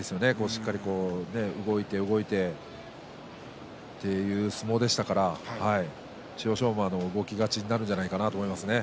しっかりと動いて動いてという相撲でしたから千代翔馬が動き勝ちになるんじゃないかなと思いますね。